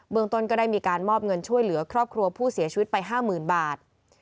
เมืองต้นก็ได้มีการมอบเงินช่วยเหลือครอบครัวผู้เสียชีวิตไป๕๐๐๐บาท